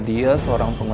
ini jangkauan itu gimana pak